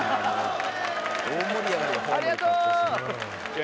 ありがとう！